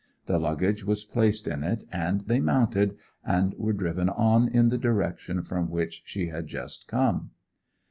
The luggage was placed in it, and they mounted, and were driven on in the direction from which she had just come.